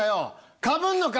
かぶんのか？